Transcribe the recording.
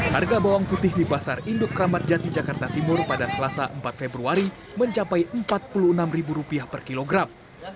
harga bawang putih di pasar induk ramadjati jakarta timur pada selasa empat februari mencapai rp empat puluh enam per kilogram